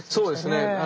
そうですね。